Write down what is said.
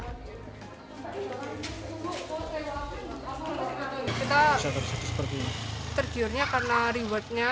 kita tergiurnya karena ribuan